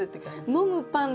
「飲むパン」